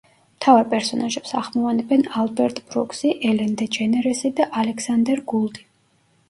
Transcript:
მთავარ პერსონაჟებს ახმოვანებენ ალბერტ ბრუკსი, ელენ დეჯენერესი და ალექსანდერ გულდი.